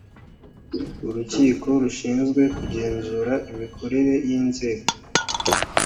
urukiko rushinzwe kugenzura imikorere y’inzego